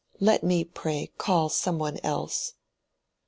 "Let me, pray, call some one else."